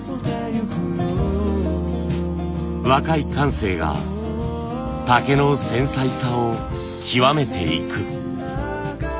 若い感性が竹の繊細さを極めていく。